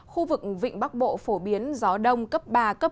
khu vực vịnh bắc bộ phổ biến gió đông cấp ba bốn